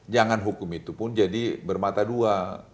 jangan hukum itu pun jadi bermata dua